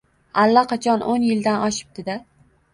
Allaqachon o‘n yildan oshibdida